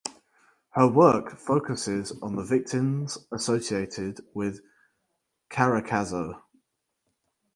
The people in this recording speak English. Her work focuses on the victims associated with Caracazo.